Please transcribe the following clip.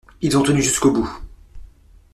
Ils ont tenu jusqu’au bout.